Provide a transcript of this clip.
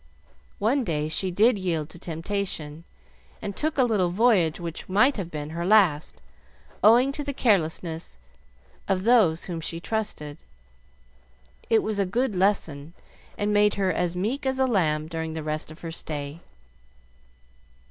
One day she did yield to temptation, and took a little voyage which might have been her last, owing to the carelessness of those whom she trusted. It was a good lesson, and made her as meek as a lamb during the rest of her stay.